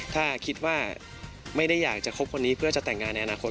ถ้าคิดว่าไม่ได้อยากจะคบคนนี้เพื่อจะแต่งงานในอนาคต